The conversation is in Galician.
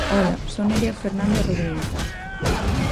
Ola, son Nerea Fernández Rodríguez.